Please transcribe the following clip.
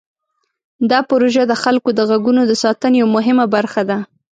دا پروژه د خلکو د غږونو د ساتنې یوه مهمه برخه ده.